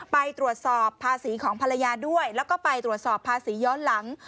ไปตรวจสอบภาษีของภรรยาด้วยแล้วก็ไปตรวจสอบภาษีย้อนหลัง